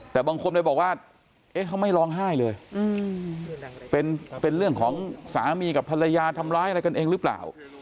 แต่บางคนเลยบอกว่าเขาไม่ร้องไห้เลยเป็นเรื่องของสามีกับภรรยาทำร้ายอะไรกันเองหรือเปล่า